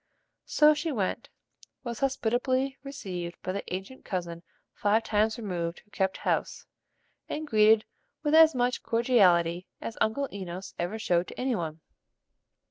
So she went, was hospitably received by the ancient cousin five times removed who kept house, and greeted with as much cordiality as Uncle Enos ever showed to any one.